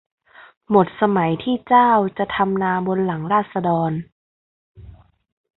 หมดสมัยที่เจ้าจะทำนาบนหลังราษฎร